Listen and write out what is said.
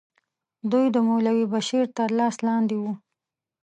دوی د مولوي بشیر تر لاس لاندې وو.